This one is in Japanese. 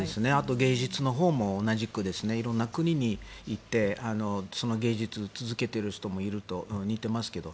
芸術のほうも同じく色んな国行ってその芸術を続けている人もいると似ていますけど。